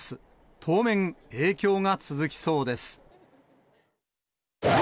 当面、影響が続きそうです。